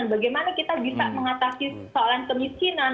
bagaimana kita bisa mengatasi soalan kemiskinan